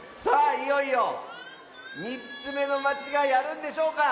いよいよ３つめのまちがいあるんでしょうか。